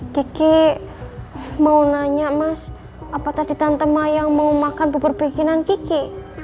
kiki mau nanya mas apa tadi tante ma yang mau makan bubur bikinan kiki